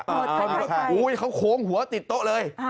หมดไทยอุ๊ยเขาโค้งหัวติดโต๊ะเลย